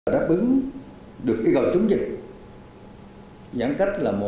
đáp ứng được gọi chống dịch